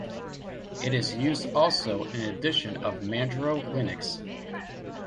It is used also in an edition of Manjaro Linux.